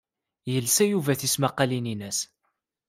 Yelsa Yuba tismaqqalin-nnes.